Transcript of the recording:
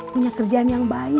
punya kerjaan yang baik